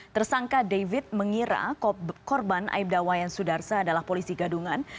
tersangka david mengira korban aibda wayan sudarsa adalah polisi gadungan